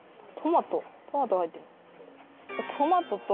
トマト！？